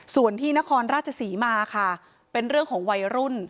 ส่วนที่นครราชศรีมาค่ะเป็นเรื่องของวัยรุ่น